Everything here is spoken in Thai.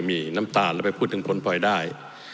มีน้ำตาลแล้วไปพูดถึงผลพลอยได้